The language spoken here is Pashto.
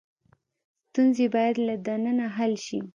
ستونزې باید له دننه حل شي.